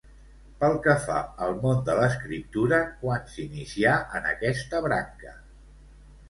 Pel que fa al món de l'escriptura, quan s'inicià en aquesta branca?